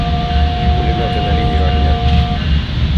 Пулеметы на линию огня!..